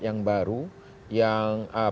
yang baru yang